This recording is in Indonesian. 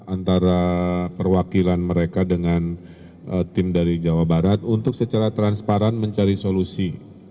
antara perwakilan mereka dengan tim dari jawa barat untuk secara transparan mencari solusi